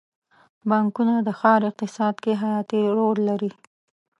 بانکونه د ښار اقتصاد کې حیاتي رول لري.